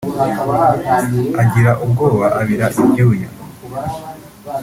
agira ubwoba abira ibyuya